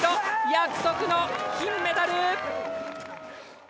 約束の金メダル！